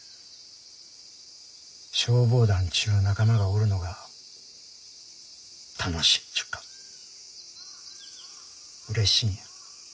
消防団っちゅう仲間がおるのが楽しいっちゅうか嬉しいんや。